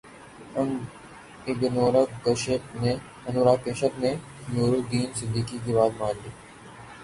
انوراگ کشیپ نے نوازالدین صدیقی کی بات مان لی